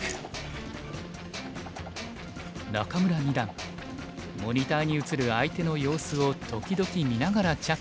仲邑二段モニターに映る相手の様子を時々見ながら着手していました。